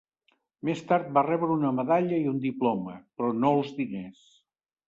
Més tard va rebre una medalla i un diploma, però no els diners.